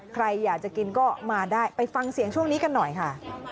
ใครอยากจะกินก็มาได้ไปฟังเสียงช่วงนี้กันหน่อยค่ะ